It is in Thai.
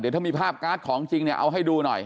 เดี๋ยวถ้ามีภาพการ์ดของจริงเอาให้ดูหน่อย